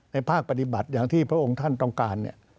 ในภาคปฏิบัติอย่างที่พวกองท่านต้องการ